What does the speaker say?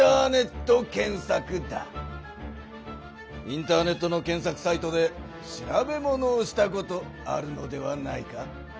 インターネットの検索サイトで調べものをしたことあるのではないか？